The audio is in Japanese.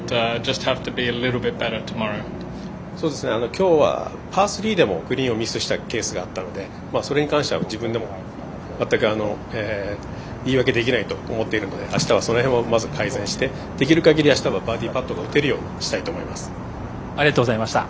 今日はパー３でもグリーンをミスしたケースがあったのでそれに関しては自分でも全く言い訳できないと思ってるのであしたはその辺を改善してできる限り、あしたはバーディーパットがありがとうございました。